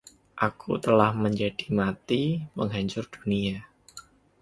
Aku telah menjadi mati, penghancur dunia.